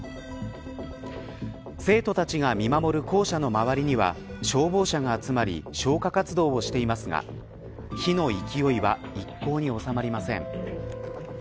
生徒たちが見守る校舎の周りには消防車が集まり消火活動をしていますが火の勢いは一向に収まりません。